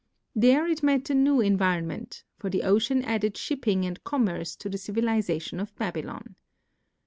There it met a new environment, for the ocean added shipping and commerce to the civilization of Babylon.